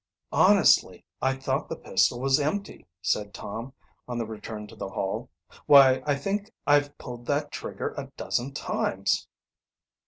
"Honestly, I thought the pistol was empty," said Tom, on the return to the Hall. "Why, I think I've pulled that trigger a dozen times."